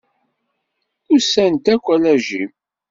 Usan-d akk ala Jim.